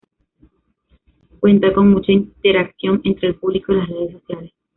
Cuenta con mucha interacción entre el público y las redes sociales.